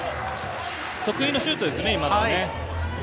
得意のシュートですね、今のはね。